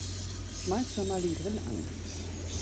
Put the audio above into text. Schmeiß schon mal den Grill an.